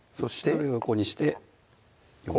それを横にしてこう？